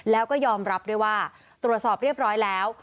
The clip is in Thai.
แล้วก็ยอมรับด้วยว่าตรวจสอบเรียบร้อยแล้ว